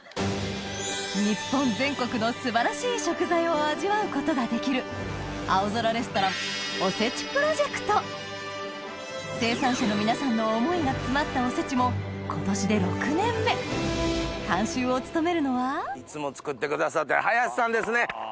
日本全国の素晴らしい食材を味わうことができる生産者の皆さんの思いが詰まったおせちも監修を務めるのはいつも作ってくださってる林さんですね。